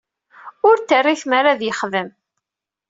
Ur t-terri tmara ad yexdem.